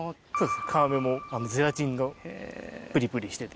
皮目もゼラチンのプリプリしてて。